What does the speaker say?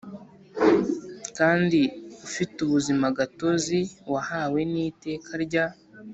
kandi ufite ubuzima gatozi wahawe n Iteka rya